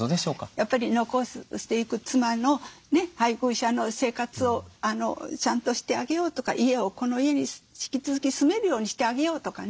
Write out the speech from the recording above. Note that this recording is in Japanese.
やっぱり残していく妻の配偶者の生活をちゃんとしてあげようとかこの家に引き続き住めるようにしてあげようとかね。